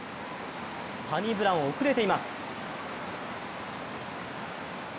サニブラウン遅れています。